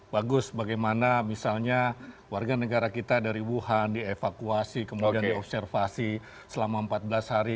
bagus bagaimana misalnya warga negara kita dari wuhan dievakuasi kemudian diobservasi selama empat belas hari